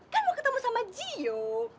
kan mau ketemu sama jiu